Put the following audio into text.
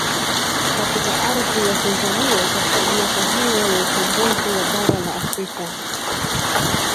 Katika ardhi ya Tanzanai katika miaka hiyo ya ukombozi wa bara la Afrika